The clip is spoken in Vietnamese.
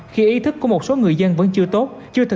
khi ý thức của một số người dân vẫn chưa tốt